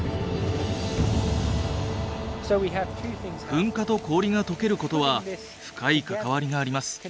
噴火と氷が解けることは深い関わりがあります。